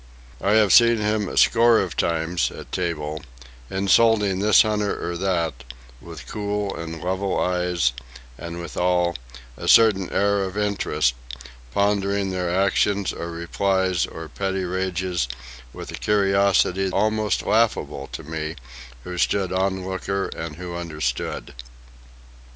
I have seen him a score of times, at table, insulting this hunter or that, with cool and level eyes and, withal, a certain air of interest, pondering their actions or replies or petty rages with a curiosity almost laughable to me who stood onlooker and who understood.